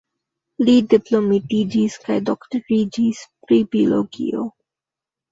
Li diplomitiĝis kaj doktoriĝis pri biologio.